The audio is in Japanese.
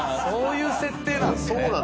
そういう設定なんすね。